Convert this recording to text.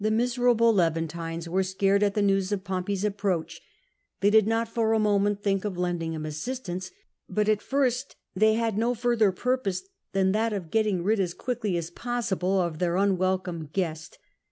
The miserable Levantines were scared at the news of Pompey's approach; they did not for a moment think of lending him assistance, but at first they had no further purpose than that of getting rid as quickly as possible of t.heir unwelcome guest.